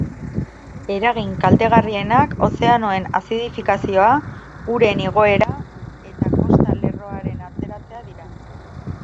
Eragin kaltegarrienak ozeanoen azidifikazioa, uren igoera eta kosta lerroaren atzeratzea dira.